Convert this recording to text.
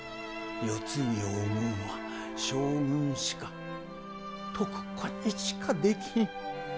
世継ぎを生むんは将軍しか徳子にしかできひん。